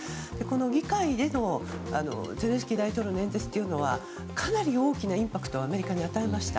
議会でのゼレンスキー大統領の演説はかなり大きなインパクトをアメリカに与えました。